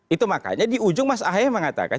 itu makanya di ujung mas ahaye mengatakan